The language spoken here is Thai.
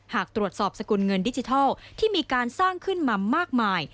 หากตรวจสอบสกุลเงินดิจิทัลที่มีการสร้างขึ้นมามากมาย